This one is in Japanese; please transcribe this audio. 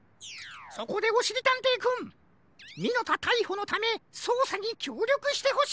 そこでおしりたんていくんミノタたいほのためそうさにきょうりょくしてほしいのじゃ。